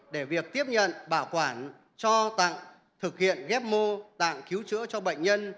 để việc tiếp nhận bảo quản cho tặng thực hiện ghép mô tạng cứu chữa cho bệnh nhân